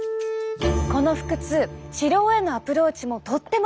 この腹痛治療へのアプローチもとっても不思議！